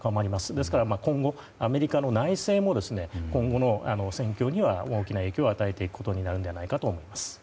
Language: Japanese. ですから今後アメリカの内政も今後の戦況には大きな影響を与えていくことになるのではと思います。